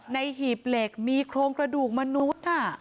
หีบเหล็กมีโครงกระดูกมนุษย์